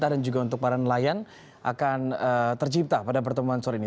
dan juga untuk para nelayan akan tercipta pada pertemuan sore ini